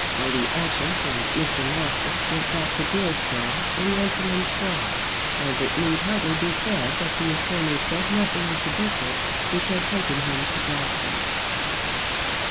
Lady Ushant and Mr. Masters went back to Dillsborough in Runciman's fly, and it need hardly be said that the attorney said nothing of the business which had taken him to Bragton.